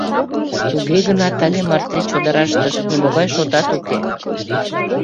Туге гынат але марте чодыраштышт нимогай шотат уке.